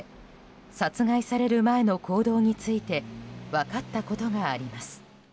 殺害される前の行動について分かったことがあります。